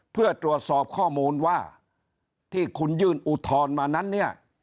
เพื่อตรวจสอบข้อมูลว่าที่คุณยื่นอุทธรณ์มานั้นเนี่ย